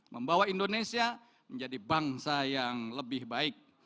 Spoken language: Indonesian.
membawa indonesia menjadi bangsa yang lebih baik